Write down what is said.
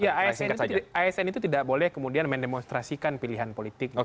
ya asn itu tidak boleh kemudian mendemonstrasikan pilihan politik